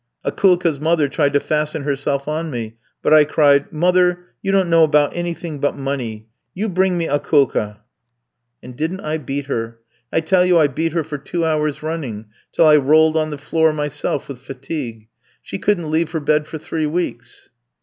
"Akoulka's mother tried to fasten herself on me; but I cried, 'Mother, you don't know about anything but money. You bring me Akoulka!' "And didn't I beat her! I tell you I beat her for two hours running, till I rolled on the floor myself with fatigue. She couldn't leave her bed for three weeks."